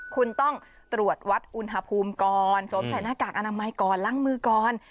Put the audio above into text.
คุณต้องตรวจวัดอุณหภูมิก่อนสวมใส่หน้ากากอนามัยก่อนล้างมือก่อน